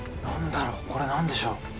何だろうこれ何でしょう？